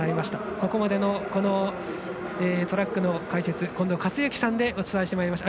ここまでのこのトラックの解説は近藤克之さんでお伝えしてきました。